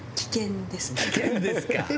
「危険ですか」